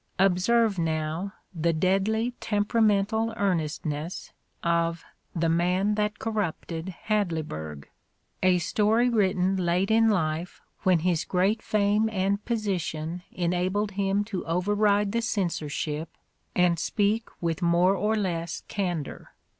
Observe, now, the deadlj^ temperamental earnestness of "The Man That Corrupted liadleyburg, " a story written late in life when his great fame and position en abled him to override the censorship and speak with more or less candor.